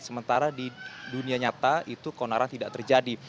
sementara di dunia nyata itu konaran tidak terjadi